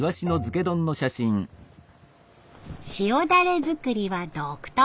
塩だれ作りは独特。